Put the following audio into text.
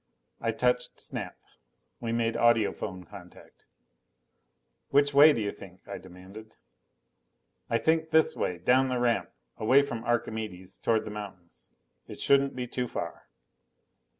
I touched Snap. We made audiphone contact. "Which way do you think?" I demanded. "I think this way, down the ramp. Away from Archimedes, toward the mountains. It shouldn't be too far."